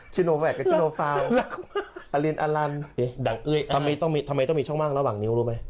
ชิโนแวคกับชิโนฟาวอลินอลันดังอุ้ยทำไมต้องทำไมต้องมีช่องว่างระหว่างนิ้วรู้ไหม